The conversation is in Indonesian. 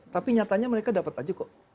tapi nyatanya mereka dapat aja kok